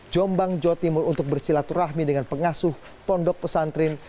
jombang jawa timur untuk bersilaturahmi dengan pengasuh pondok pesantren